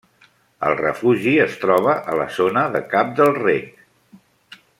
El refugi es troba a la zona del Cap del Rec.